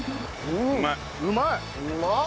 うまい！